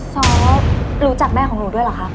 ซ้อรู้จักแม่ของหนูด้วยเหรอคะ